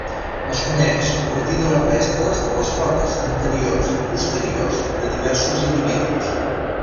Es coneix a partir de restes de les potes anteriors i posteriors de diversos individus.